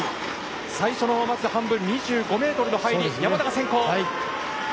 最初の半分２５ｍの入り山田が先行。